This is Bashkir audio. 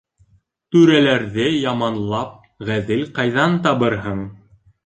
Түрәләрҙе яманлап, ғәҙел ҡайҙан табырһың?